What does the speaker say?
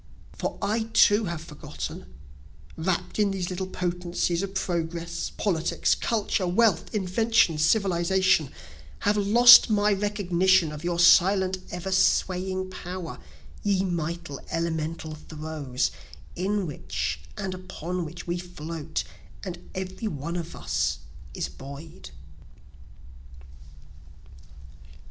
For I too have forgotten, (Wrapt in these little potencies of progress, politics, culture, wealth, inventions, civilization,) Have lost my recognition of your silent ever swaying power, ye mighty, elemental throes, In which and upon which we float, and every one of us is buoy'd.